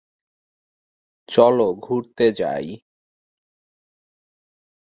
কিন্তু পরের বছর ওভালের পিচে ভয়ঙ্কর হয়ে উঠেন।